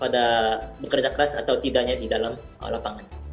ada bekerja keras atau tidaknya di dalam lapangan